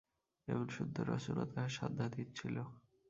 এমন সুন্দর রচনা তাহার সাধ্যাতীত ছিল।